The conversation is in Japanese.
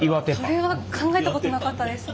それは考えたことなかったですね。